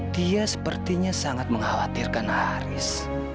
dia sepertinya sangat mengkhawatirkan aris